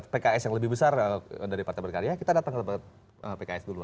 pks yang lebih besar dari partai berkarya kita datang ke pks dulu